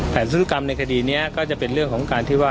ธุกรรมในคดีนี้ก็จะเป็นเรื่องของการที่ว่า